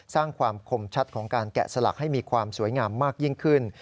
สร้างความคมชัดของการแกะสลักให้มีความสวยงามมากยิ่งขึ้น